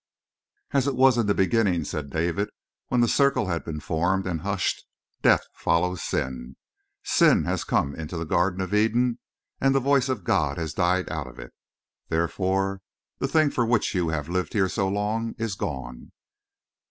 "As it was in the beginning," said David when the circle had been formed and hushed, "death follows sin. Sin has come into the Garden of Eden and the voice of God has died out of it. Therefore the thing for which you have lived here so long is gone.